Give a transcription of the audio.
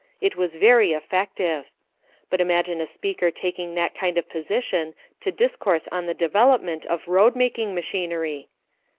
It was very effective. But imagine a speaker taking that kind of position to discourse on the development of road making machinery.